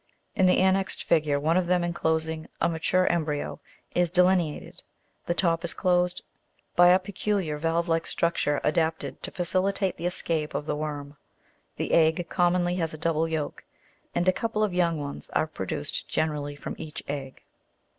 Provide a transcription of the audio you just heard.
In the annexed figure (75), one of them, enclosing a mature embryo, is de lineated ; the top is closed by a peculiar valve p. ~ like structure, adapted to facilitate the escape of EGG OF THE the worm. The egg commonly has a double yolk, EARTH WORM. and a couple of young ones are produced generally from each egg.